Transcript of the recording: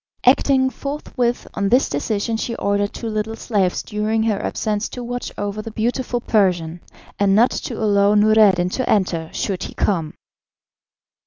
Acting forthwith on this decision she ordered two little slaves during her absence to watch over the beautiful Persian, and not to allow Noureddin to enter should he come.